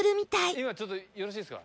今ちょっとよろしいですか？